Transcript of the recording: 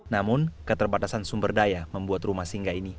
namun keterbatasan sumber daya membuat rumah singgah ini